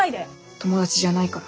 友達じゃないから。